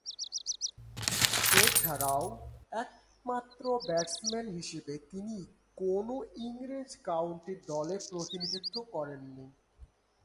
এছাড়াও, একমাত্র ব্যাটসম্যান হিসেবে তিনি কোন ইংরেজ কাউন্টি দলে প্রতিনিধিত্ব করেননি।